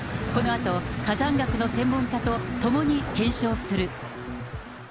このあと火山学の専門家と共に検証する。